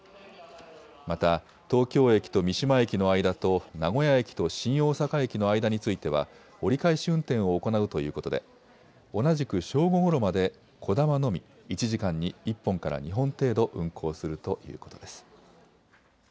また東京駅と三島駅の間と名古屋駅と新大阪駅の間については折り返し運転を行うということで同じく正午ごろまで、こだまのみ１時間に１本から２本程度運行するということです。